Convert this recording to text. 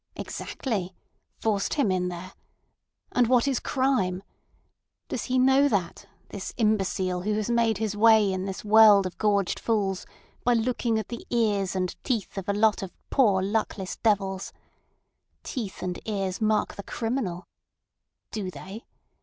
Exactly. Forced him in there. And what is crime? Does he know that, this imbecile who has made his way in this world of gorged fools by looking at the ears and teeth of a lot of poor, luckless devils? Teeth and ears mark the criminal? Do they?